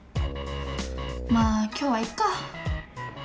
まあ今日はいっか。